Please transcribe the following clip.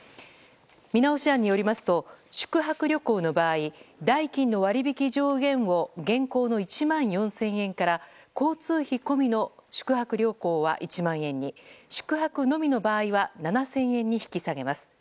見直し案によりますと宿泊旅行の場合代金の割引上限を現行の１万４０００円から交通費込みの宿泊旅行は１万円に宿泊のみの場合は７０００円に引き下げます。